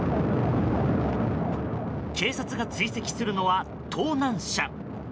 警察が追跡するのは盗難車。